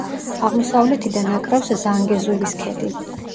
აღმოსავლეთიდან აკრავს ზანგეზურის ქედი.